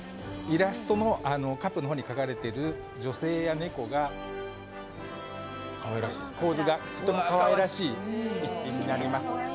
イラストのカップの方に描かれている女性や猫の構図がとってもかわいらしい一品になります。